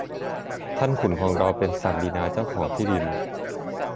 ท่านขุนของเราเป็นศักดินาเจ้าของที่ดิน